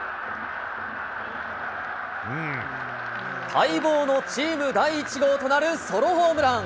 待望のチーム第１号となるソロホームラン。